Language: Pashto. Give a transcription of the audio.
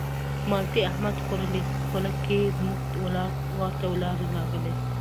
مالټې احمد خوړلې خوله کې زموږ ورته لاړې راغلې.